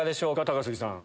高杉さん。